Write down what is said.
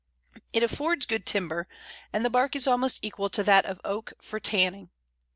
It affords good timber, and the bark is almost equal to that of Oak for tanning.